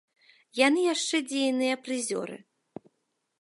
Яны яшчэ дзейныя прызёры.